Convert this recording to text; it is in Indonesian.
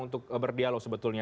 untuk berdialog sebetulnya